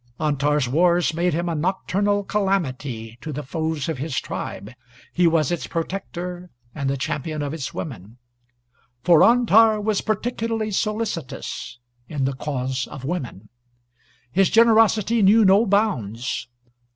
[Antar's wars made him a Nocturnal Calamity to the foes of his tribe. He was its protector and the champion of its women, "for Antar was particularly solicitous in the cause of women." His generosity knew no bounds.